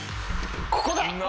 ここだ！